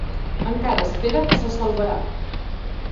Encara espera que se salvarà.